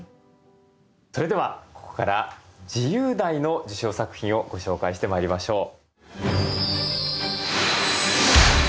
それではここから自由題の受賞作品をご紹介してまいりましょう。